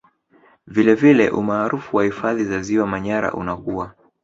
Vilevile umaarufu wa hifadhi ya Ziwa Manyara unakua